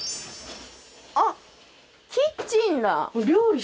あっキッチンだ。